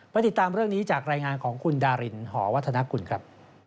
ติดตามเรื่องนี้จากรายงานของคุณดารินหอวัฒนกุลครับ